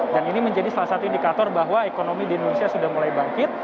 dan ini menjadi salah satu indikator bahwa ekonomi di indonesia sudah mulai bangkit